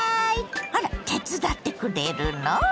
あら手伝ってくれるの⁉